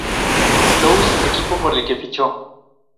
Louis, equipo por el que fichó.